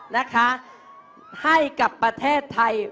นะคะให้กับประเทศไทย